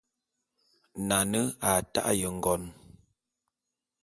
Nane a ta'e ngon.